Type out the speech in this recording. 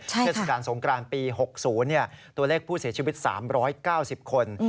เทศกาลสงกรานปี๖๐ตัวเลขผู้เสียชีวิต๓๙๐คน